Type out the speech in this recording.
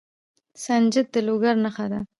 سنجد د لوګر نښه ده.